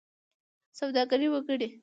سوداګري وکړئ